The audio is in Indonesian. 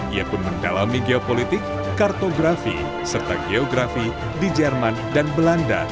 ia pun mendalami geopolitik kartografi serta geografi di jerman dan belanda